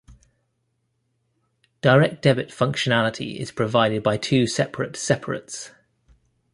Direct debit functionality is provided by two separate separates.